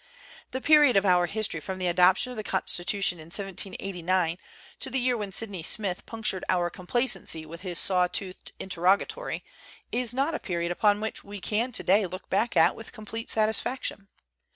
" The period of our history from the adoption 85 THE CENTENARY OF A QUESTION of the Constitution in 1789 to the year when Sydney Smith punctured our complacency with his saw toothed interrogatory, is not a period upon which we can today look back with com plete satisfaction.